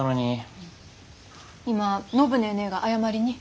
今暢ネーネーが謝りに。